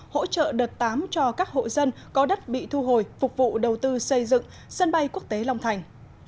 hỗ trợ đợt tám cho các hộ dân có đất bị thu hồi phục vụ đầu tư xây dựng sân bay quốc tế long thành